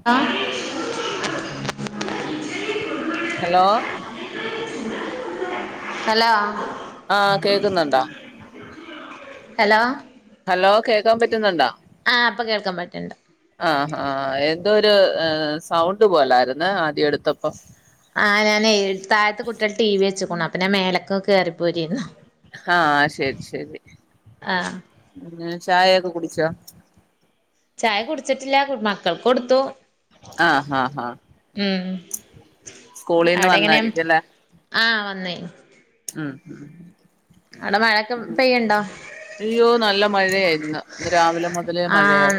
[unintelligible] Hello hello. ആഹ് കേക്ക്ന്നുണ്ടോ? Hello. Hello കേൾക്കാൻ പറ്റുന്നുണ്ടോ? ആ ഇപ്പൊ കേൾക്കാൻ പറ്റണ്ട് ആഹ് ഹാ എന്തോരു അ് സൗണ്ട് പോലാരുന്ന് ആദ്യം എടുത്തപ്പം. ആഹ്, ഞാനെ താഴ്ത്ത് കുട്ട്യാള് ടി വി വെച്ചേക്കണു അപ്പൊ ഞാ മേലേക്ക് കേറിപ്പോരേര്ന്ന്. ആഹ് ശെരി ശെരി ആ പിന്നെ ചായൊക്കെ കുടിച്ചോ? ചായ കുടിച്ചിട്ടില്ല മക്കൾക്ക് കൊടുത്തു ആഹ് ആഹ് ആഹ് ഉം സ്കൂളീന്ന് അവിടെ എങ്ങനെ വന്നായിരിക്കും അല്ലേ ആഹ് വന്നേ ഉം ഉം അവിടെ മഴയൊക്കെ പെയ്യണ്ടോ അയ്യോ നല്ല മഴയായിന്ന് ഇന്ന് രാവിലെ മുതലേ മഴയായിരുന്നു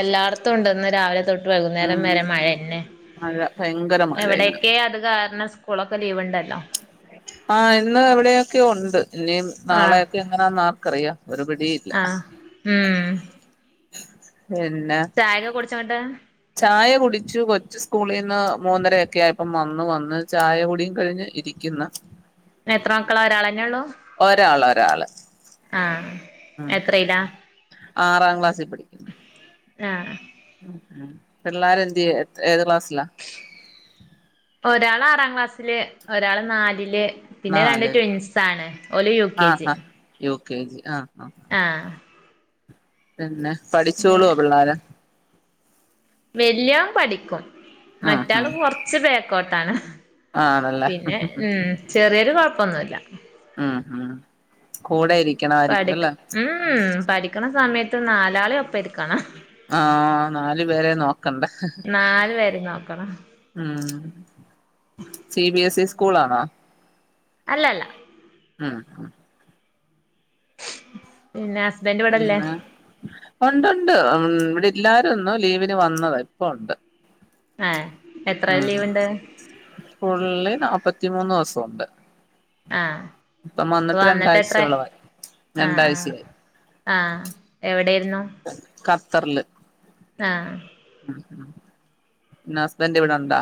എല്ലാടുത്തും ഉണ്ട് ഇന്ന് രാവിലെ തൊട്ട് വൈകുന്നേരം ഉം വരെ മഴയന്നെ മഴ ഭയങ്കര മഴ ഇന്ന് എവിടെയെക്കെയോ അത് കാരണം സ്കൂളൊക്കെ ലീവ്ണ്ടല്ലോ ആഹ് ഇന്ന് എവിടെയൊക്കെയ ഉണ്ട് ഇഞ്ഞി ആ നാളെയൊക്കെ എങ്ങനെ ആർക്കറിയാം ഒരുപടി ആഹ് ഉം പിന്നെ ചായൊക്കെ കുടിച്ചോണ്ടാ ചായ കുടിച്ചു കൊച്ചു സ്കൂളിൽന്ന് മൂന്നരയൊക്കെ ആയപ്പം വന്നു വന്ന് ചായ കുടിം കഴിഞ്ഞ് ഇരി രിക്കുന്ന എത്ര മക്കള ഒരാളന്നെ ഉള്ളൂ ഒരാൾ ഒരാള് ആഹ് ഉം എത്രയിലാ ആറാം ക്ലാസിൽ പഠിക്കും ആഹ് ഉം പിള്ളേരെ യെന്തിയെ ഏത് ക്ലാസ്സിലാ ഒരാള് ആറാം ക്ലാസ്സില് ഒരാള് നാലില് പിന്നെ രണ്ട് നാലില് ട്യുൻസ് ആണ് ഓല് യു കെ ജി യ കെ ജി ആഹ് ആഹ് ആഹ് പിന്നെ പഠിച്ചോളൂ പിള്ളോര് വല്യാൻ പഠിക്കും ഉം മറ്റാള് ഉം കൊറച്ച് ബേക്കോട്ടാണ് ആണല്ലേ പിന്നെ ഉം ചെറിയോര് കുഴപ്പൊന്നുല്ല ഉം ഉം കൂടെയിരി പഠി ഉം പഠിക്കണ സമയത്ത് നാലാളി ഒപ്പ ഇരിക്കണം ആഹ് നാലു പേരെ നോക്കണ്ടേ നാലു പേരിം നോക്കണം ഉം സി ബിഎസ് ഇ സ്കൂളാണോ അല്ല അല്ല ഉം ഉം പിന്നെ ഹസ്ബൻഡ് ഇവിടെല്ലേ പിന്നെ ഉണ്ട് ഉണ്ട് ഇവിടെല്ലാരുംന്നോ ലീവിന് വന്നത് ഇപ്പ ഉണ്ട് ഏഹ് എത്ര ഉം ലീവ്ണ്ട് ഫുള്ള് നാല്പ്പത്തിമൂന്ന് ദിവസുണ്ട് ആഹ് ഇപ്പം ഇപ്പൊ വന്നിട്ട് എത്ര രണ്ടാഴ്ചയോളായി ആഹ് ആഹ് രണ്ടാഴ്ചയായി ആഹ് എവിടെയിരുന്നു ഖത്തർല് ആഹ് ഉം ഉം പിന്നെ ഹസ്ബൻറ് ഇവിടെ ഉണ്ടോ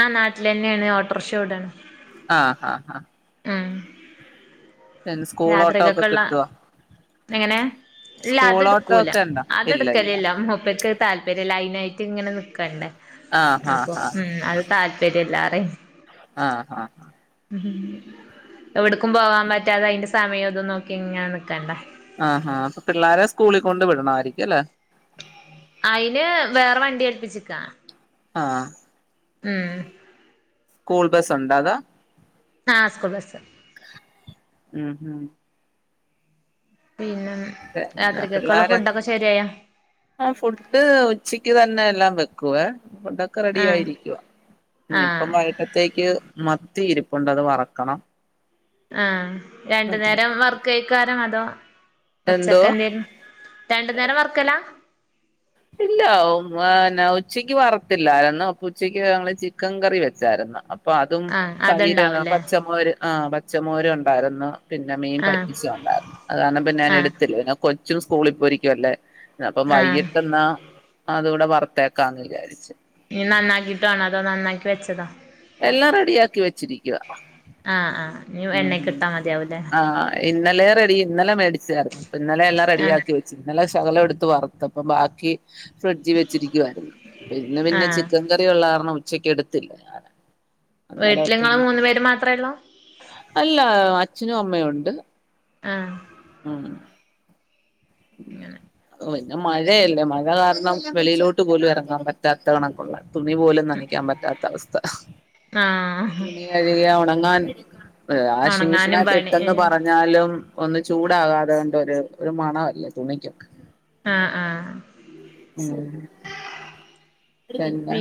ആഹ് നാട്ടിലെന്നെയാണ് ഓട്ടർഷ ഓടാണ് ആഹ് ആഹ് ആഹ് ആഹ് പിന്നെ സ്കൂൾ ഓട്ടോ ഒക്കെ കിട്ടോ എങ്ങനെ ഇല്ല അത്ട്ക്കൂല ഉണ്ടോ ഇല്ല ഇല്ല അതെടുക്കലില്ല അത് മുപ്പര്ക്ക് താല്പര്യല്ല അയിനായിട്ട് ഇങ്ങനെ നിക്കണ്ടേ ആഹ് അപ്പൊ ആഹ് ആഹ് ഉം അത് താല്പര്യല്ലാറയും ആഹ് ആഹ് ആഹ് ഉം എവിടക്കും പോവാൻ പറ്റാതെ അതിന്റെ സമയം ഇതും നോക്കി ഇങ്ങന നിക്കണ്ട ആഹാ അപ്പൊ പിള്ളാരെ സ്കൂളി കൊണ്ട് വിടണമായിരിക്കുല്ലെ അയിന് വേറെ വണ്ടി ഏൽപ്പിച്ചിക്ക ആഹ് ഉം സ്കൂൾ ബസ് ഉണ്ടാ അതാ ആഹ് സ്കുള് ബസ് ഉം ഉം പിന്നെ പിന്നെ രാത്രിക്കൊക്കള്ള പിള്ളേരെ ഫുഡൊക്കെ ശരിയായ ആ ഫുഡ് ഉച്ചക്ക് തന്നെ എല്ലാം വെക്കുവേ ഫുഡ് ഒക്കെ റെഡി ആഹ് ആയിരിക്കുവ പിന്ന ഇപ്പം ആഹ് വയിട്ടത്തേക്ക് മത്തി ഇരിപ്പുണ്ട് അത് വറക്കണം ആഹ് രണ്ടു നേരം വർക്കായിക്കാരം അതോ എന്തോ ഉച്ചക്ക് എന്തേലും രണ്ടു നേരം വർക്കലാ ഇല്ല ഉച്ചയ്ക്ക് വറുത്തില്ലായിരുന്നു അപ്പൊ ഉച്ചക്ക് ഞങ്ങള് ചിക്കൻ കറി വെച്ചായിരുന്നു അപ്പൊ അതും ആഹ് തൈര് അതുണ്ടാവുംല്ലേ പച്ചമോര് ആഹ് പച്ചമോരു ഉണ്ടായിരുന്നു പിന്നെ മീൻ ആഹ് പറ്റിച്ചത്ണ്ടായിരുന്നു അത് കാരണം ഞാൻ ആഹ് എടുത്തില്ല പിന്നെ കൊച്ചും സ്കൂളിൽപ്പോയിരിക്കുവല്ലേ അപ്പം ആഹ് വൈകിട്ട്ന്നാ അതൂടെ വറുത്തേക്കാംന്ന് വിചാരിച്ചു മീൻ നന്നാക്കിട്ട് വേണോ അതോ നന്നാക്കി വെച്ചത എല്ലാം റെഡിയാക്കി വെച്ചിരിക്കുവാ ആ ആ ഇഞ്ഞ് എണ്ണക്കിട്ടാ മതിയ ആഹ് ഇന്നലെ റെഡി ഇന്നലെ മേടിച്ചാരുന്നു അപ്പൊ ഇന്നലെ എല്ലാം ആഹ് റെഡിയാക്കി വെ ഇന്നലെ ശകലം എടുത്ത് വറുത്ത് അപ്പം ബാക്കി ഫ്രിഡ്ജി വച്ചിരിക്കുവായിരുന്നു പിന്നെ പിന്നെ ആഹ് ചിക്കൻ കറിഉള്ള കാരണം ഉച്ചക്ക് എടുത്തില്ല ഞാന് അന്നേരം വീട്ടില് നിങ്ങള് ഓർത്തിന്ന് മൂന്നു പേര് മാത്രേ ഒള്ളൂ അല്ല അച്ഛനും അമ്മയും ഉണ്ട് ആഹ് ഉം അങ്ങനെ ഓ ഇന്ന് മഴയല്ലേ മഴ കാരണം വെളിയിലോട്ട് പോലും ഇറങ്ങാൻ പറ്റാത്ത കണക്കൊള്ള തുണി പോലും നനക്കാൻ പറ്റാത്ത അവസ്ഥ ആഹ് തുണി കഴുകിയ ഒണങ്ങാൻ വാഷിംഗ് മെഷീൻ ഒണങ്ങാനും അകത്ത് പണി ഇട്ടെന്ന് പറഞ്ഞ് ആഹ് ഞാലും ഒന്ന് ചൂടാകാതൊണ്ട് ഒരു ഒരു മണല്ലേ തുണിക്കൊക്കെ ആ ആ ഉം പിന്നെ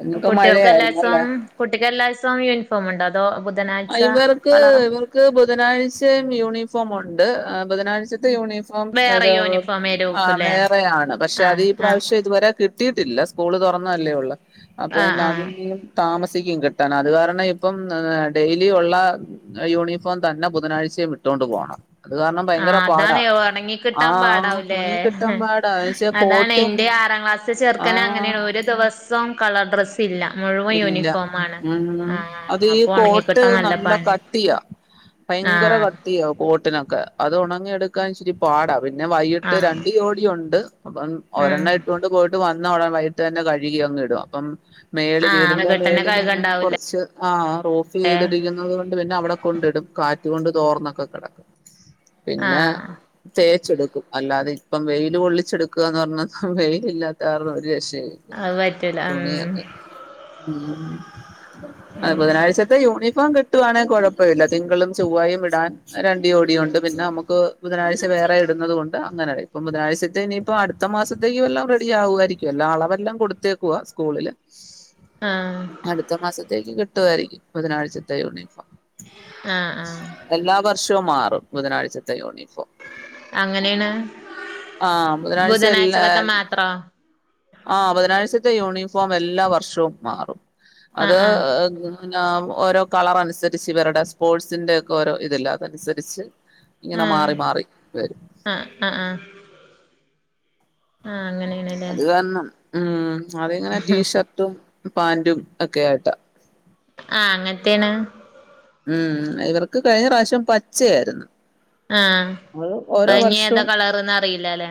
നിങ്ങക്ക് കുട്ടികൾക്ക് മഴയായിരുന്നല്ലേ എല്ലാസവും കുട്ടിക്ക് എല്ലായിസോം യൂണിഫോം ഇണ്ടോ അതോ ബുധനാഴ്ച കളറാ ക്ക് ബുധനാഴ്ചയും യൂണിഫോം ഉണ്ട് ബുധനാഴ് ച്ചത്തെ യൂണിഫോം വേറെ യൂണിഫോമേരിക്കുംല്ലേ വേറെയാണ് പക്ഷെ അത് ആഹ് ഈ ആഹ് പ്രാവശ്യം ഇതുവരെ കി ട്ടീട്ടില്ല സ്കൂള് തൊറന്നതല്ലേ ഒള്ള് അപ്പൊ ആഹ് പിന്നെ ആഹ് അതും താമസിക്കും കിട്ടാൻ അത് കാരണം ഇപ്പം ഡെയിലി ഉള്ള യൂണിഫോം തന്നെ ബുധനാഴ്ചയും ഇട്ടോണ്ട് പോണം അത് കാരണം ഭയങ്കര ആഹ് പാടാ അതാണ് ഒണങ്ങി ആ കിട്ടാൻ പാടാവുലേ ഉണങ്ങി കിട്ടാൻ പാടാ വെച്ചാ അതാണ് കോട്ടും എന്റെ ആറാം ക്ലാസ് ചെർക്കന് അങ്ങനെ ആ ഒരു ദിവസം കളർ ഡ്രസ്സ് ഇല്ല മുഴുവൻ ഇല്ല യൂണിഫോമാണ് ഉം ആഹ് അത് ഈ അപ്പൊ കോട്ട് ഒണങ്ങിക്കിട്ടാൻ നല്ല പണിയാ കട്ടിയാ ഭയങ്കര ആഹ് കട്ടിയ കോട്ടിനൊക്കെ അത് ഒണങ്ങിയെടുക്കാൻ ഇച്ചിരി പാടാ പിന്നെ വൈകിട്ട് ആഹ് രണ്ട് ജോടിയുണ്ട് അപ്പം ഉം ഒരെണ്ണം ഇട്ടുകൊണ്ട് പോയിട്ട് വന്ന് ഉടനെ വൈകിട്ട് തന്നെ കഴുകി അങ് ഇടും അപ്പം മേ ആഹ് വീടിന്റെ മുകട്ടന്നെ മേളിൽ ഇങ്ങനെ കഴുകണ്ടാവൂലേ കുറച്ച് ആ റൂഫ് ചെയ്ട്ക്കുന്നത് പിന്നെ അവിടെ കൊണ്ടിടും കാറ്റ് കൊണ്ട് തോർന്നൊക്കെ കെടക്കും പിന്നെ ആഹ് തേച്ചെടുക്കും അല്ലാതെ ഇപ്പം വെയില് കൊള്ളിച്ചെടുക്കുകാന്ന് പറഞ്ഞ വെയിലില്ലാത്ത കാരണം ഒരു രക്ഷയില്ല. അഅ് പറ്റൂല ഉം. തുണിയൊക്കെ ഉം. അഅ് ബുധനാഴ്ച ത്തെ യൂണിഫോം കിട്ടുആണെ കൊഴപ്പവില്ല തിങ്കളും ചൊവ്വായും ഇടാൻ. അ രണ്ടുജോടിയുണ്ട് പിന്നെ നമുക്ക് ബുധനാഴ്ച വേറേ ഇടുന്നത് കൊണ്ട് അങ്ങനയ് പ്പം ബുധനാഴ്ചത്തെ നീപ്പോ അടുത്ത മാസത്തേക്ക് എല്ലാം റെഡി ആവുആയിരിക്കും എല്ലാ അളവെല്ലാം കൊടുത്തേക്കുവാ സ്കൂളില്. ആഹ് അടുത്ത മാസത്തേക്ക് കിട്ടുആയിരിക്കും ബുധനാഴ്ചത്തെ യൂണിഫോം. ആഹ് ആഹ് എല്ലാ വർഷോം മാറും ബുധനാഴ്ചത്തെ യൂണിഫോം. അങ്ങനെയാണ് ആഹ് ബുധനാഴ്ച ബുധനാഴ്ചക്കത്തെ എല്ലാൽ മാത്രോ ആഹ് ബുധനാഴ്ചത്തെ യൂണിഫോം എല്ലാ വർഷവും മാറും. അത് ആഹ് ആഹ് [unintelligible] പിന്നാ ഓരോ കളറനുസരിച്ചി വരുടെ സ്പോട്സിന്റെ ഒക്കെ ഓരോ ഇതില്ലേ അതനുസരിച്ച് ഇങ്ങനെ മാറി മാറി വെരും. അ അ ആഹ് ആഹ് അങ്ങനെയാണിലേ. എന്നും ഊം ആദ്യങ്ങനെ ടീഷർട്ടും പാന്റും ഒക്കെയാ ട. ആഹ് അങ്ങൻത്തേണ്. ഉം ഉം ഇവർക്ക് കഴിഞ്ഞ റാശ്യം പച്ചയായിരുന്നു. ആഹ് അത് ഓരോ പ്പ ഇനി ഏതാ വർഷവും കളറ്ന്ന് അറീലേലോ.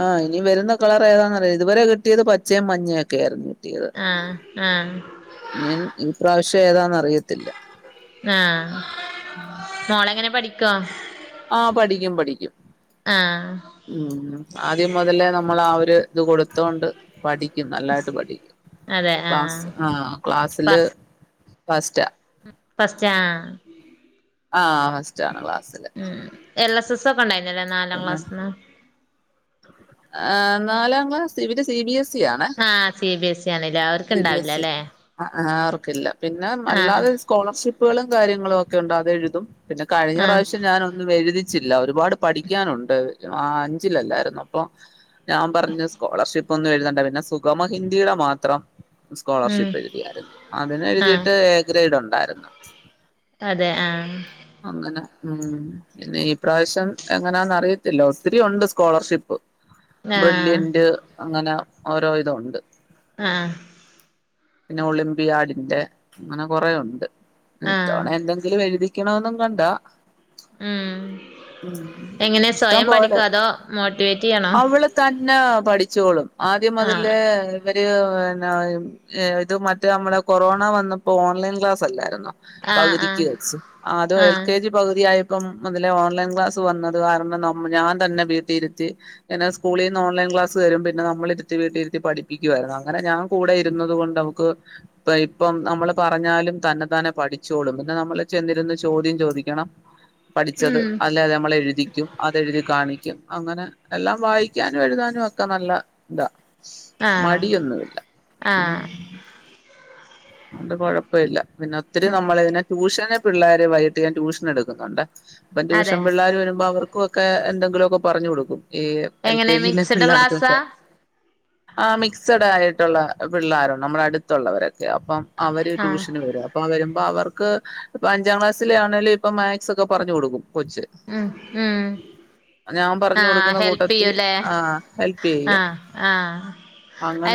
ആഹ് ഇനി വെരുന്ന കളറ് ഏതാന്ന് അറീല ഇതുബരെ കിട്ടിയത് പച്ചയും മഞ്ഞയും ഒക്കെ ആയിരുന്നു യൊ ആഹ് ആഹ് ഞിൻ ഇ പ്രാവശ്യം ഏതാന്ന് അറിയത്തില്ല. ആഹ് മോളെങ്ങനാ പഠിക്കോ? ആഹ് പഠിക്കും പഠിക്കും. ആഹ് ഉം ആദ്യം മുതലേ ന്നമ്മളാ ഒര് ത് കൊടുത്തോണ്ട് പഠി ക്യും നല്ലായിട്ട് പഠിക്കും. അതെ ക്ലാസ് ആഹ് ആ ക്ലാസ്സില് ഫസ്റ്റാ. പസ്റ്റാ ആഹ് ഫസ്റ്റാണ് ളാസ്സില് എല്ല സ്സ സ്സൊക്കെ ണ്ടായീനല്ലേ നാലാം ക്ലാസ്സ്ന്ന്? ആഹ് നാലാം ക്ലാസ് ഇവര് സി ബി എസ് ഇ ആണേ ആഹ് സി ബി എസ്സി ആണ്ലേ അവർക്ക് ണ്ടാവില്ല ലേ? അ ആഹ് അവർക്കില്ല പിന്നെ മല്ലാതെ സ് കോളർഷിപ്പുകളും കാര്യങ്ങളും ഒക്കെ ഉണ്ട് അതെഴുതും. പിന്നെ കഴിഞ്ഞ ആഹ് റാശ്യം ഞാനൊന്നു വെ ഴുതി ച്ചില്ല ഒരുപാട് പഠിക്കാനുണ്ട് ആ അഞ്ചിലെല്ലാര് അപ്പം ഞാം പർഞ്ഞ് സ്കോളർഷിപ്പൊന്നും എഴുതണ്ട പിന്നെ സുഗമ ഹിന്ദിടെ മാത്രം ഉം സ്കോളർഷിപ്പ് എഴുതിയായ്ര്ന്നു. അതിന് ആഹ് എഴുതിയിട്ട് എ ഗ്രേഡ് ഉണ്ടായിരുന്നു. അതെ ആഹ്. അങ്ങനെ മ് പിന്നെ ഈ പ്രാവശ്യം എങ്ങനാന്നറിയത്തില്ല. ഒത്തിരിഒണ്ട് സ്കോളർഷി പ്പ് ആഹ് ബ്രില്ല്യന്റ് അങ്ങനെ ഓരോ ഇതൊണ്ട്. അ ആഹ്. പിന്നെ ഒളിമ്പിയാടിന്റെ അങ്ങനെ കൊറേ ഒണ്ട്. ആഹ് ഇത്തവണ എന്തെങ്കിലും എഴുതിക്കണമെന്നും കണ്ടാ ഉം. ഉം എങ്ങനെ ഇഷ്ടം സ്വയം പഠിക്കോ അതോ മോട്ടിവേറ്റെയ്യണോ? വള് തന്നെ പഠിച്ചോളും ആദ്യം മുതലേ ആഹ് ഇവര് എല്ലാവരും ഏ ഇത് മറ്റേ അമ്മളെ കൊറോണ വന്നപ്പോ ഓൺലൈൻ ക്ലാസ്സ് അല്ലായ്രുന്നോ ആഹ് ആഹ് പകുതിക്ക് വെച്ച് അതോ എൽ ആഹ് കെ ജി പകുതിയായപ്പം മുതലേ ഓൺലൈൻ ക്ലാസ്സ് വന്നത് കാരണം ന്നമ് ഞാൻ തന്നെ വീട്ടിഇര്ത്തി എന്നെ സ്കൂളീന്ന് ഓൺലൈൻ ക്ലാസ്സ് തരും പിന്നെ ന്നമ്മളിരുത്തി വീട്ടി ഇരുത്തി പഠപ്പിക്കു ആയ്രുന്നു അങ്ങനെ ഞാം കൂടെ ഇരുന്നത് കൊണ്ട് അവക്ക് ദാ ഇപ്പം ന്നമ്മള് പറഞ്ഞാലും തന്ന താനേ പഠിച്ചോളും പിന്നെ ന്നമ്മള് ചെന്നിരുന്ന് ചോദ്യം ചോദിക്കണം പഠിച്ചത് ഉം അല്ലേ അത് ന്നമ്മള് എഴുതിക്കും അതെഴുതി കാണിക്കും അങ്ങനെ എല്ലാം വായിക്കാനും എഴുതാനും ഒക്കെ നല്ല ഇതാ ആഹ് മടിയൊന്നുല്ല ഉം ആഹ് അഒണ്ട് കൊഴപ്പല്ല പിന്നെ ഒത്തിരി ഉം നമ്മളതിനെ ട്യൂഷന് പിള്ളേരെ വൈട്ട് ഞാൻ ട്യൂഷ എടുുന്നുണ്ടെ അപ്പം അതെ ട്യൂഷൻ പിള്ളേര് വരുമ്പോ അവർക്കൊ ക്കെ എന്തെങ്കിലൊക്കെ പറഞ്ഞു കൊടുക്കും ഈ എൽ എങ്ങനെ കെ ജി ലെ മിക്സ്ഡ് ക്ലാസ്സാ പിള്ളേർക്കൊക്കെ ആഹ് മിക്സഡ് ആയിട്ടുള്ള പിള്ളേരുണ്ട് നമ്മുടെ അടുത്തുള്ളവരൊക്കെ അപ്പം അവര് ആഹ് ട്യൂഷന് വരും അ പ്പൊ വരുമ്പോ അവർക്ക് ഇപ്പ അഞ്ചാം ക്ലാസ്സിലെ ആണേല് ഇപ്പൊ മാക്സ് ഒക്കെ പറഞ്ഞു കൊടുക്കും കൊച്ച് ഉം ഉം ഞാൻ പറഞ്ഞു ആഹ് അ കൊടുക്കുന്ന ഹെൽപ് കൂട്ടത്തിൽ ചെയ്യൂല്ലേ ആ ഹെൽപ് ചെയ്യ ആഹ് ആഹ്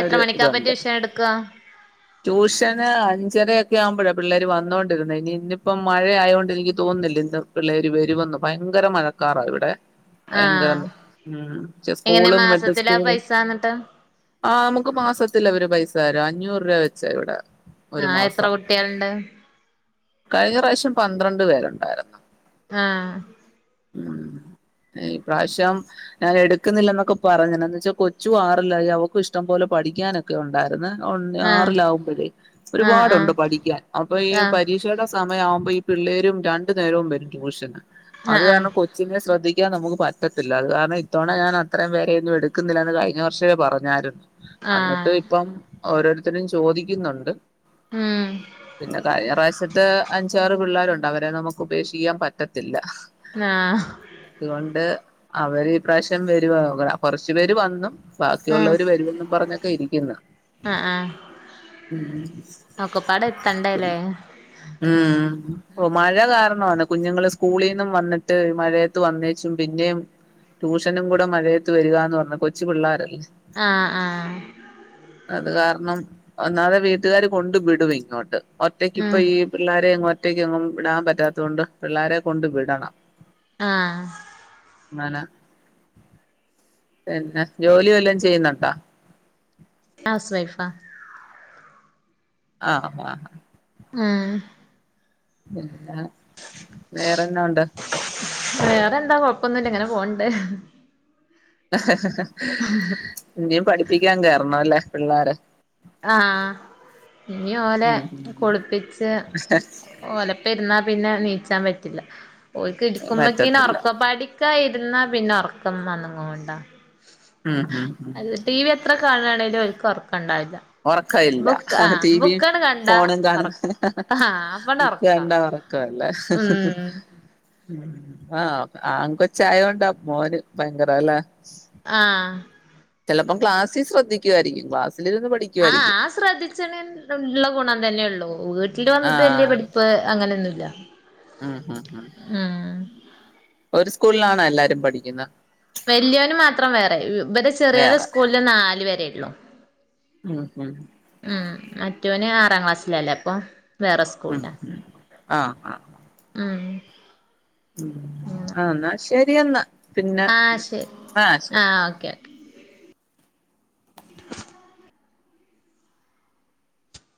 എത്ര മണിക്കാ ഇതുണ്ട് പറ്റിഷ എടുക്കാ ട്യൂഷന് അഞ്ചരൊക്കെ ആവുമ്പോഴാ പിള്ളേർ വന്നോണ്ടിരുന്നെ ഇനി ഇന്നിപ്പം മഴയായൊണ്ട് തോന്നില്ല ഇന്ത പിള്ളേരി വരുവന്നു ഭയങ്കര മഴക്കാറാ ഇവിടെ ഭയങ്കര ആഹ് ഉം ക്ഷെ എങ്ങനെ സ്കൂളും മെഡിൽ മാസത്തിലാ സ്കൂള് പൈസ എന്നിട്ട് ആഹ് അമ്മക്ക് മാസത്തിലാ അവര് പൈസ തരാ അഞ്ഞൂറ് രൂപ വെച്ച ഇവിടെ ഒരു ആഹ് എത്ര മാസം കുട്ടികളുണ്ട് കഴിഞ്ഞ പ്രാവശ്യം പന്ത്രണ്ട് പേരുണ്ടായിരുന്നു ആഹ് ഉം ഈ പ്രാവശ്യം ഞാൻ എടുക്കുന്നില്ലന്നൊക്കെ പറഞ്ഞന്ന് എന്നച്ചാ കൊച്ചു ആറില്ലായി അവക്ക് ഇഷ്ടം പോലെ പഠിക്കാനൊക്കെ ഉണ്ടായിരുന്നു [unintelligible] ആഹ് ആറിലാവുമ്പോഴേ ആഹ് ഒരുപാടുണ്ട് പഠിക്കാൻ അപ്പൊ ഈ ആഹ് ആഹ് പരീക്ഷയുടെ സമയവുമ്പോ ഈ പിള്ളേരും രണ്ടു നേരവും വരും ട്യൂഷന് അത് ആഹ് കാരണം കൊ ച്ച്നെ ശ്രദ്ധിക്കാ നമുക്ക് പറ്റത്തില്ല ഇല്ല അത് കാരണം ഇത്തവണ ഞാൻ അത്രയും പേരൊന്നും എടുക്കുന്നില്ലന്ന് കഴിഞ്ഞ വർഷേ പറഞ്ഞായിരുന്നു അന്നിട്ടു ആഹ് ആഹ് ഇപ്പം ഓരോരുത്തരും ചോദിക്കുന്നുണ്ട് ഉം പിന്നെ കയ്ഞ്ഞ പ്രാ ഷത്തെ അഞ്ചാറ് പിള്ളേരുണ്ട് അവരെ നമുക്ക് ഉപേക്ഷിക്കാൻ പറ്റത്തില്ല ആഹ് അതുകൊണ്ട് അവര്പ്രാവശ്യം വരു കുറച്ചു പേര് വന്നു ഉം ബാക്കിയുള്ളവര് വരൂന്ന് പറഞ്ഞൊക്കെ ഇരിക്കുന്ന ആഹ് ആഹ് ഉം ഒക്കപ്പാടെ എത്തണ്ടേല്ലേ ഉം ഓഹ് മഴ കാരണാണ് കുഞ്ഞുങ്ങള് സ്കൂളീന്നും വന്നിട്ട് മഴയത്ത് വന്നേച്ചും പിന്നെയും ട്യൂഷനും കൂടെ മഴയത്ത് വരികാന്ന് പറഞ്ഞു കൊച്ച് പിള്ളേരല്ലേ അ ആഹ് അത് കാരണം ഒന്നാതെ വീട്ടുകാര് കൊണ്ട് വിടും ഇങ്ങോട്ട് ഉം ഒറ്റക്കിപ്പ ഈ പിള്ളാരയങ്ങും ഒറ്റയ്ക്ക് എങ്ങും വിടാൻ പറ്റാത്തത് കൊണ്ട് പിള്ളോരെ കൊണ്ട് വിടണം ആഹ് അങ്ങനെ പിന്നെ ജോലി വല്ലോം ചെയ്യുന്നുണ്ടാ ഹൗസ് വൈഫാ അ ആഹ് ഉം ഉം ഉം പിന്ന വേറെന്നാ ഉണ്ട് വേറെന്താ കൊഴപ്പൊന്നില്ല എങ്ങനെ പോണ്ട [unintelligible] [unintelligible] ഇന്ത് പഠിപ്പിക്കാൻ കയറണംല്ലേ പിള്ളോര ആഹ് ഇഞൊലെ ഉം ഉം കുളിപ്പിച്ച് ഓ ഒലപ്പ ഇരുന്നാ പിന്നെ നീച്ചാൻ പറ്റില്ല ഓൽക്ക് ഇരിക്കുമ്പക്കന്നേ പറ്റത്തില്ല ഉറക്കപ്പാടി ക്ക ഇരുന്നാ പിന്നെ ഉറക്കംന്നങ്ങ കൊണ്ടോ ഉം ഉം ഉം ടി വി എത്ര കാണയാണെങ്കിലും ഓല്ക്ക് ഒർക്കണ്ടാവില്ല ഉറക്ക ഇല്ല ടിവും കണ്ടാ ഫോണും ഒറക്ക കാണുന്ന ആഹ് അപ്പണ്ട് ഒറക്ക ഒക്കെണ്ടറ ക്കല്ല [inaudible] ഉം ഉ ആഹ് ആ കൊച്ചായൊണ്ടാ മോന് ഭയങ്കരല്ല ആഹ് ചിലപ്പോൾ ക്ലാസിൽ ശ്രദ്ധിക്കുായിരിക്കും ക്ലാസ്സൽരുന്ന് പഠിക്കും ആ ആ ശ്രദ്ധിച്ചണ ഉള്ള ഗുണം തന്നെയള്ളൂ വീട്ടിൽ വന്നിട്ട് വലിയ ആഹ് പഠിപ്പ് പഠിപ്പ് അങ്ങനെന്നുല്ല ഉം ഹം ഹം ഉം ഒരു സ്കൂളിലാണ് എല്ലാരും പഠിക്കുന്നത് വല്ല്യോൻ മാത്രം വേറെ ഇവിടെ ചെറിയൊരു വേറെ സ്കൂളില് നാല് വരെ ഒള്ളു ഉം ഹം ഉം മറ്റവന് ആറാം ക്ലാസ്സിലല്ലേ അപ്പൊ വേറെ ഉം സ്കൂളില ഉം ആഹ് ആഹ് ഉം ഉം എന്ന് ശരി പിന്നെ ആഹ് ശരി ആഹ ശരി ആഹ് ഓക്കെ [inaudible]